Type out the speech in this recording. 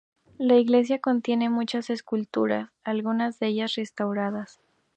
La iglesia contiene muchas esculturas, algunas de ellas muy restauradas.